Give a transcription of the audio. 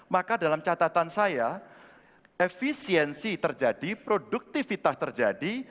maka dalam catatan saya efisiensi terjadi produktivitas terjadi